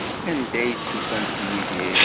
Anda ay d-tufamt Yidir?